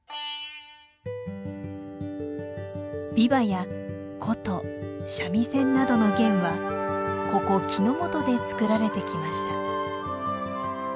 琵琶や琴三味線などの弦はここ木之本で作られてきました。